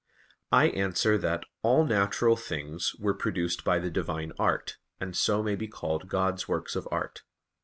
I answer that, All natural things were produced by the Divine art, and so may be called God's works of art.